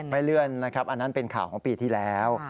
ไม่เลื่อนนะครับอันนั้นเป็นข่าวของปีที่แล้ว